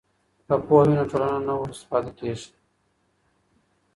که پوهه وي نو ټولنه نه وروسته پاتې کیږي.